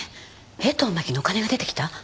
江藤真紀のお金が出てきた？